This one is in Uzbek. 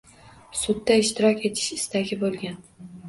Sudda ishtirok etish istagida bo‘lgan